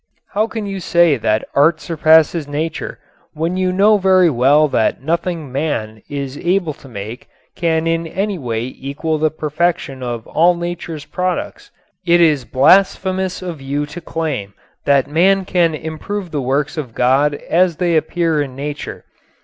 How can you say that art surpasses nature when you know very well that nothing man is able to make can in any way equal the perfection of all nature's products? It is blasphemous of you to claim that man can improve the works of God as they appear in nature.